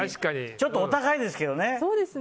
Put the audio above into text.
ちょっとお高いですけどね。